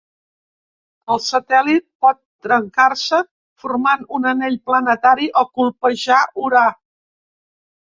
El satèl·lit pot trencar-se formant un anell planetari o colpejar Urà.